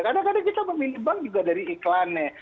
kadang kadang kita memilih bank juga dari iklannya